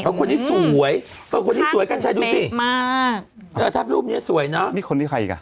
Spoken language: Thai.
โอ้โหคนนี้สวยคนนี้สวยกันใช่ดูสิถ้าเป็นรูปนี้สวยเนอะมีคนที่ใครอีกอ่ะ